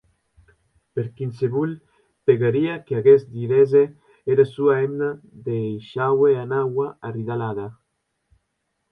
Per quinsevolh pegaria qu’aguest didesse, era sua hemna deishaue anar ua arridalhada.